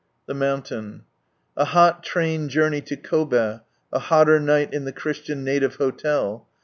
Tht Mountain. — A hot train journey to Kob^, a hotter night in the Christian native hotel.